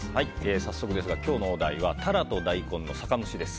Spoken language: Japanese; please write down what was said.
早速ですが今日のお題はタラと大根の酒蒸しです。